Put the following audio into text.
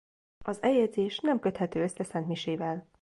Az eljegyzés nem köthető össze szentmisével.